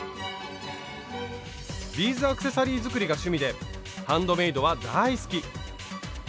ビーズアクセサリー作りが趣味でハンドメイドは大好き！